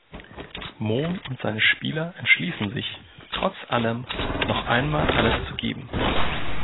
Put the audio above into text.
Moon und seine Spieler entschließen sich, trotz allem noch einmal alles zu geben.